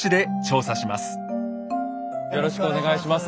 よろしくお願いします。